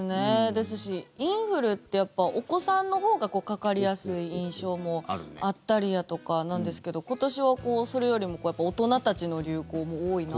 ですし、インフルってやっぱりお子さんのほうがかかりやすい印象もあったりだとかなんですけど今年はそれよりも大人たちの流行も多いなと。